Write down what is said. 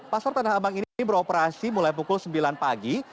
pasar tanah abang ini beroperasi mulai pukul sembilan pagi